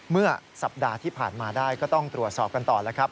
เมื่อสัปดาห์ที่ผ่านมาได้ก็ต้องตรวจสอบกันต่อแล้วครับ